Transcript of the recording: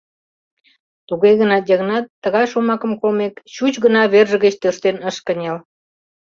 Туге гынат Йыгнат, тыгай шомакым колмек, чуч гына верже гыч тӧрштен ыш кынел.